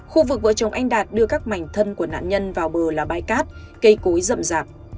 khu vực vợ chồng anh đạt đưa các mảnh thân của nạn nhân vào bờ là bãi cát cây cối rậm rạp